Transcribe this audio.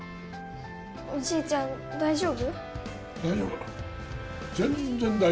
おじいちゃん、大丈夫？